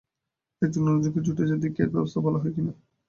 অন্য একজন জুটেছে, দেখি এর ব্যবস্থা ভাল হয় কি না।